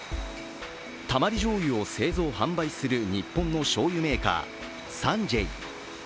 たまりじょうゆを製造・販売する日本のしょうゆメーカー・Ｓａｎ−Ｊ。